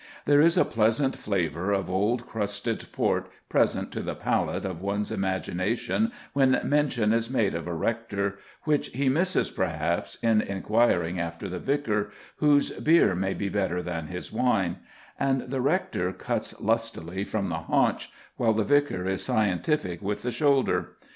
There is a pleasant flavour of old crusted port present to the palate of one's imagination when mention is made of a rector, which he misses perhaps in inquiring after the vicar, whose beer may be better than his wine; and the rector cuts lustily from the haunch, while the vicar is scientific with the shoulder.